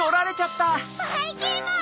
ばいきんまん！